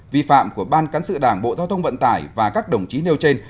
vi phạm của ban cán sự đảng bộ giao thông vận tải và các đồng chí nêu trên